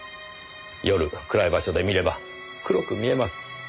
夜暗い場所で見れば黒く見えます。